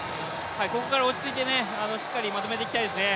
ここから落ち着いてしっかりとまとめてほしいですね。